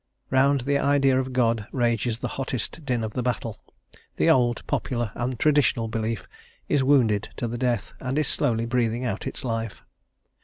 Round the idea of God rages the hottest din of the battle. The old, popular, and traditional belief is wounded to the death, and is slowly breathing out its life.